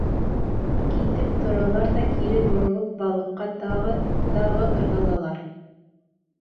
Китеп торалар ҙа, кире боролоп, балыҡҡа тағы, тағы ырғылалар.